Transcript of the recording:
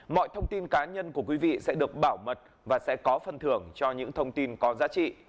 mọi thông tin cá nhân của quý vị sẽ được bảo mật và sẽ có phần thưởng cho những thông tin có giá trị